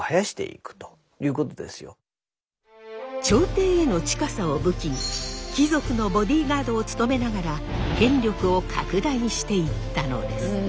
朝廷への近さを武器に貴族のボディーガードを務めながら権力を拡大していったのです。